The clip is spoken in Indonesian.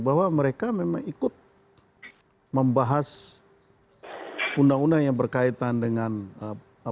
bahwa mereka memang ikut membahas undang undang yang berkaitan dengan